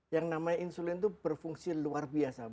yang namanya insulin itu berfungsi luar biasa